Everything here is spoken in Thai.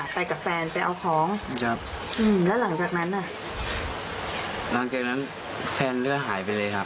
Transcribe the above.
ดีครับ